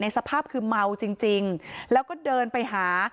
สภาพคือเมาจริงแล้วก็เดินไปหา